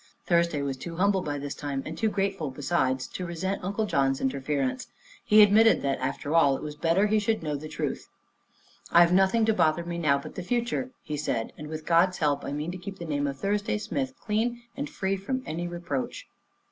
Thursday was too humble, by this time, and too grateful, besides, to resent Uncle John's interference. He admitted that, after all, it was better he should know the truth. "I've nothing to bother me now but the future," he said, "and with God's help I mean to keep the name of Thursday Smith clean and free from any reproach."